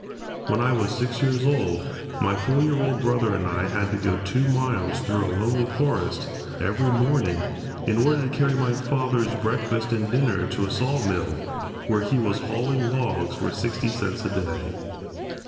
When I was six years old my four year old brother and I had to go two miles through a lonely forest every morning in order to carry my father's breakfast and dinner to a sawmill, where he was hauling logs for sixty cents a day.